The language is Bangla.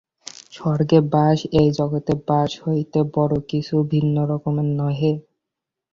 স্বর্গে বাস এই জগতের বাস হইতে বড় কিছু ভিন্ন রকমের নহে।